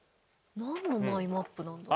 なんのマイマップなんだ？